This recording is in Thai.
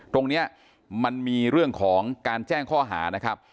ตรงนี้มันมีเรื่องของการแจ้งข้อหานะครับ